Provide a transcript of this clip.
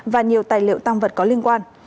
và nhiều tài liệu tăng vật có liên quan